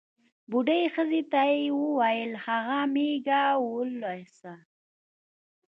بوډۍ ښځې ته یې ووېل هغه مېږه ولوسه.